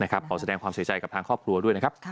ขอแสดงความเสียใจกับทางครอบครัวด้วยนะครับ